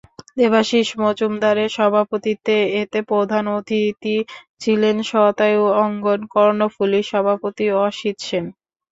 দেবাশীষ মজুমদারের সভাপতিত্বে এতে প্রধান অতিথি ছিলেন শতায়ু অঙ্গন কর্ণফুলীর সভাপতি অসিত সেন।